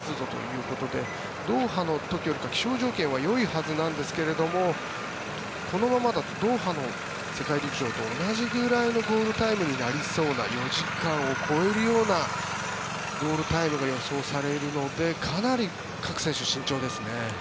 そして８６％の湿度ということでドーハの時よりかは気象条件はいいはずなんですけどこのままだとドーハの世界陸上と同じぐらいのゴールタイムになりそうな４時間を超えるようなゴールタイムが予想されるのでかなり各選手、慎重ですね。